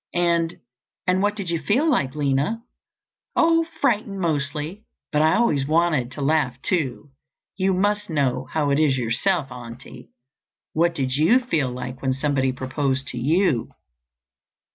"And—and what did you feel like, Lina?" "Oh, frightened, mostly—but I always wanted to laugh too. You must know how it is yourself, Auntie. What did you feel like when somebody proposed to you?"